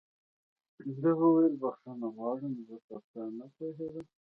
ده وویل: بخښنه غواړم، زه پر تا نه پوهېدم.